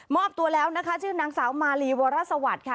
อบตัวแล้วนะคะชื่อนางสาวมาลีวรสวัสดิ์ค่ะ